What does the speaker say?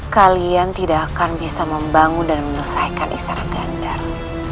kalian tidak akan bisa membangun dan menyelesaikan istana gandar